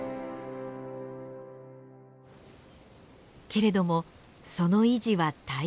けれどもその維持は大変。